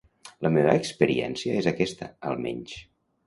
La meva experiència és aquesta, almenys.